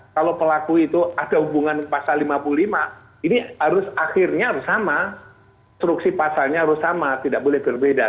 kalau pelaku itu ada hubungan pasal lima puluh lima ini harus akhirnya harus sama struksi pasalnya harus sama tidak boleh berbeda